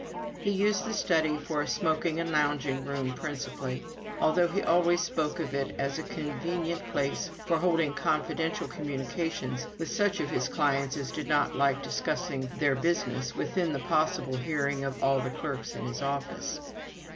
He used the study for a smoking and lounging room principally, although he always spoke of it as a convenient place for holding confidential communications with such of his clients as did not like discussing their business within the possible hearing of all the clerks in his office.